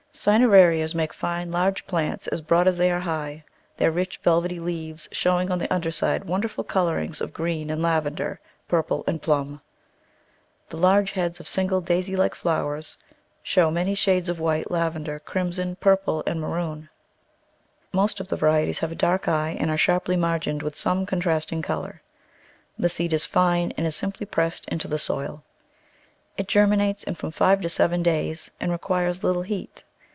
Cinerarias make fine, large plants, as broad as they are high, their rich, velvety leaves showing on the un der side wonderful colourings of green and lavender, purple and plum. The large heads of single daisy like flowers show many shades of white, lavender, crimson, purple, and maroon. Most of the varieties have a dark eye and are sharply margined with some contrasting color. The seed is fine and is simply pressed into the soil. It germinates in from five to seven days, and requires little heat.